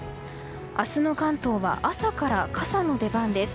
明日の関東は朝から傘の出番です。